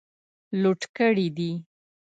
لوټ کړي دي.